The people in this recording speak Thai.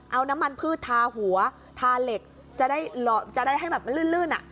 เอาน้ำมันพืชทาหัวทาเหล็กจะได้ให้แบบมันลื่นอ่ะ